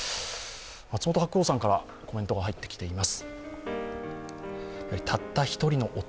松本白鸚さんからコメントが入ってきています。